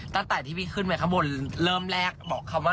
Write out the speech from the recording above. ตั้งแต่ที่พี่ขึ้นไปข้างบนเริ่มแรกบอกคำว่า